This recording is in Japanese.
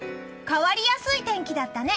変わりやすい天気だったね。